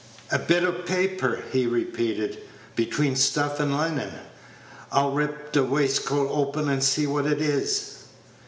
"A bit o' paper," he repeated, "between stuff and linin'. I'll rip t' waistcoat open and see what 't is."